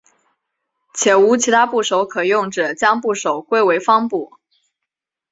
且无其他部首可用者将部首归为方部。